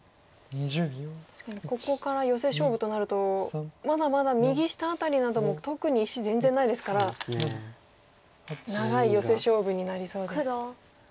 確かにここからヨセ勝負となるとまだまだ右下辺りなども特に石全然ないですから長いヨセ勝負になりそうです。